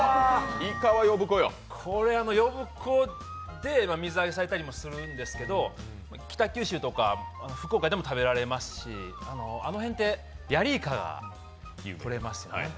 呼子で水揚げされたりもするんですけど、北九州とか、福岡でも食べられますし、あの辺ってヤリイカがとれますよね。